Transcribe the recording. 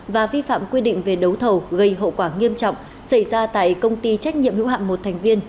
và vi phạm quy định về đấu thầu gây hậu quả nghiêm trọng xảy ra tại công ty trách nhiệm hữu hạm một thành viên